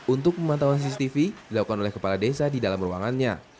untuk pemantauan cctv dilakukan oleh kepala desa di dalam ruangannya